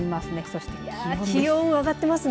そして気温です。